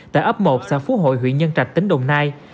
tại ấp một xã phú hội huyện nhân trạch tỉnh đồng nai